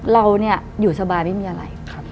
เราอยู่สบายไม่มีอะไร